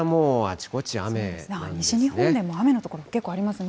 西日本でも雨の所結構ありますね。